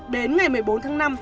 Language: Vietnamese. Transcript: đến ngày một mươi bốn tháng năm